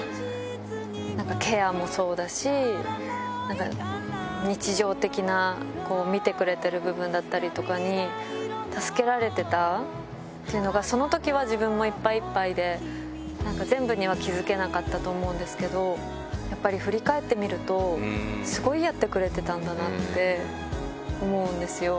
なんかケアもそうだし、なんか日常的な見てくれてる部分だったりとかに、助けられてたっていうのが、そのときは自分もいっぱいいっぱいで、なんか全部には気付けなかったと思うんですけど、やっぱり振り返ってみると、すごいやってくれてたんだなって思うんですよ。